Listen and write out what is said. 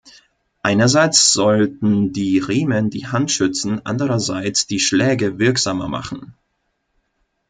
Einerseits sollten die Riemen die Hand schützen, andererseits die Schläge wirksamer machen.